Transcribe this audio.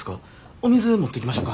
お水持ってきましょか。